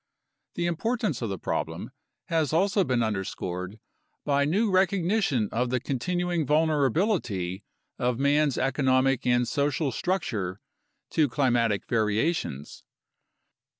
The impor tance of the problem has also been underscored by new recognition of the continuing vulnerability of man's economic and social structure to climatic variations.